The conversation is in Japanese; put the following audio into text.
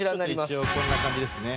一応こんな感じですね。